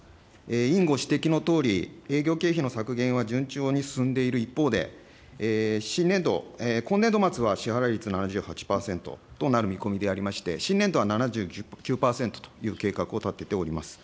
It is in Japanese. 委員ご指摘のとおり、営業経費の削減は順調に進んでいる一方で、新年度、今年度末は支払率７８％となる見込みでありまして、新年度は７９％という計画を立てております。